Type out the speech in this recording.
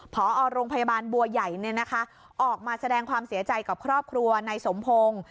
พอโรงพยาบาลบัวใหญ่ออกมาแสดงความเสียใจกับครอบครัวนายสมพงศ์